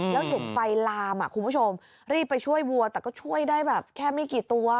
แล้วเห็นไฟลามคุณผู้ชมรีบไปช่วยวัวแต่ก็ช่วยได้แบบแค่ไม่กี่ตัว